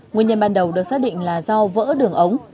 nguyên nhân ban đầu được xác định là do vỡ đường ống